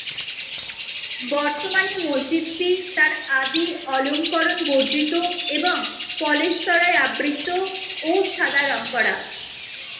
বর্তমানে মসজিদটি তার আদি অলংকরণ বর্জিত এবং পলেস্তরায় আবৃত ও সাদা রং করা।